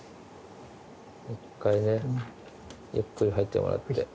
もう一回ねゆっくり入ってもらって。